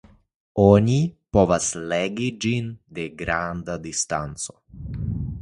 Oni povas legi ĝin de granda distanco.